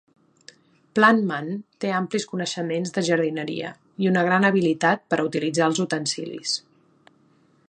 Plantman té amplis coneixements de jardineria, i una gran habilitat per a utilitzar els utensilis.